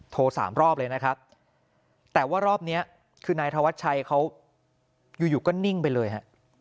สามรอบเลยนะครับแต่ว่ารอบนี้คือนายธวัชชัยเขาอยู่อยู่ก็นิ่งไปเลยฮะ